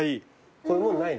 こういうもんないの？